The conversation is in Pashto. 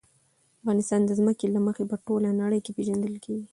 افغانستان د ځمکه له مخې په ټوله نړۍ کې پېژندل کېږي.